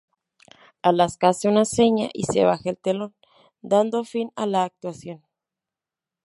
Alaska hace una seña y se baja el telón dando fin a la actuación.